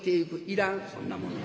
「いらんそんなもの。